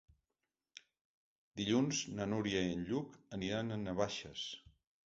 Dilluns na Núria i en Lluc aniran a Navaixes.